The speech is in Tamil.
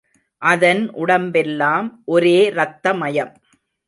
அதன் உடம்பெல்லாம் ஒரே ரத்த மயம்!